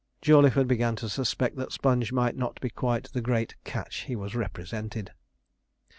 Jawleyford began to suspect that Sponge might not be quite the great 'catch' he was represented.